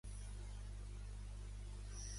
La meva filla es diu Arya: a, erra, i grega, a.